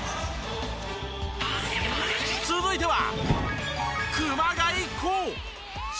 続いては。